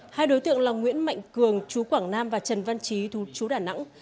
hai đối tượng là nguyễn mạnh cường chú quảng nam và trần văn trí chú đà nẵng